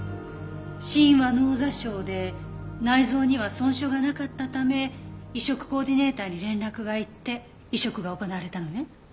死因は脳挫傷で内臓には損傷がなかったため移植コーディネーターに連絡が行って移植が行われたのね。